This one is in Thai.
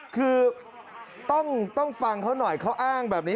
คือต้องฟังเขาหน่อยเขาอ้างแบบนี้